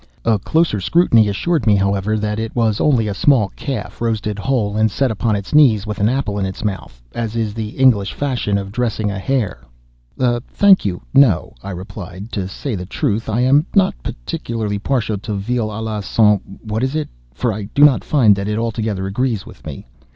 A closer scrutiny assured me, however, that it was only a small calf roasted whole, and set upon its knees, with an apple in its mouth, as is the English fashion of dressing a hare. "Thank you, no," I replied; "to say the truth, I am not particularly partial to veal à la St.—what is it?—for I do not find that it altogether agrees with me.